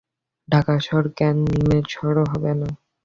ঢাকা শহর কেন নিমের শহর হবে না?